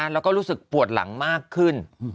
แล้วก็รู้สึกปวดหลังมากขึ้น